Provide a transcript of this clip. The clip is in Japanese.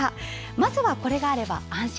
まずは、これがあれば安心！